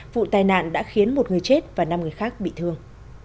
vụ tai nạn đã khiến một người chết và năm người khác bị thương